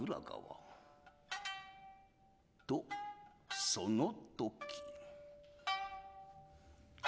とその時。